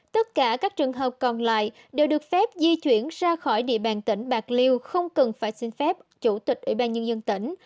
tất cả các trường hợp còn lại đều được phép di chuyển ra khỏi địa bàn tỉnh bạc liêu không cần phải xin phép chủ tịch ủy ban nhân dân tỉnh